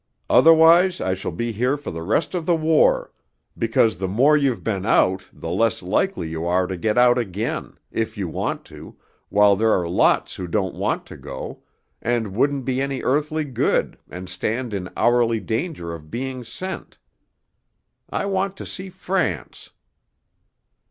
Otherwise I shall be here for the rest of the war, because the more you've been out the less likely you are to get out again, if you want to, while there are lots who don't want to go, and wouldn't be any earthly good, and stand in hourly danger of being sent.... I want to see France....'